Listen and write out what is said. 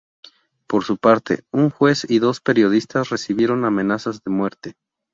Por su parte, un juez y dos periodistas recibieron amenazas de muerte.